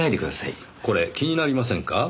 これ気になりませんか？